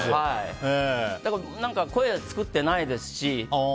だけど声を作ってないですし。